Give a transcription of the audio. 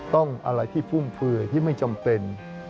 อะไรที่ฟุ่มเฟื่อที่ไม่จำเป็น